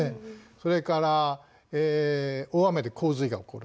それから大雨で洪水が起こる。